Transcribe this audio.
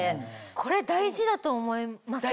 これ大事だと思いません？